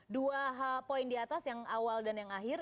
dua poin di atas yang awal dan yang akhir